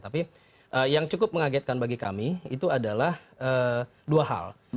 tapi yang cukup mengagetkan bagi kami itu adalah dua hal